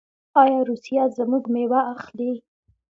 آیا روسیه زموږ میوه اخلي؟